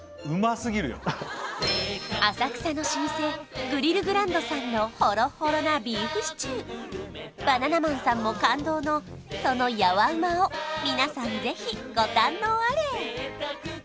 浅草の老舗グリルグランドさんのホロホロなビーフシチューバナナマンさんも感動のそのヤワうまを皆さんぜひご堪能あれ